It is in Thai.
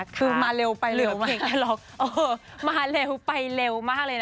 คือมาเร็วไปเร็ว